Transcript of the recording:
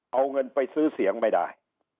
เอาเงินไปซื้อเสียงไม่ได้